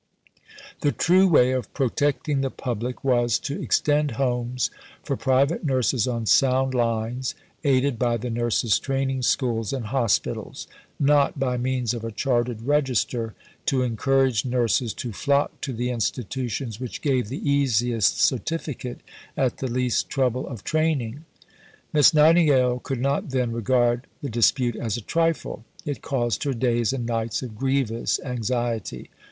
The true way of "protecting the public" was "to extend Homes for Private Nurses on sound lines, aided by the Nurses' Training Schools and Hospitals"; not, by means of a Chartered Register, to encourage nurses "to flock to the Institutions which gave the easiest certificate at the least trouble of training." Miss Nightingale could not, then, regard the dispute as a trifle. It caused her days and nights of grievous anxiety.